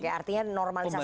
oke artinya normalisasi empat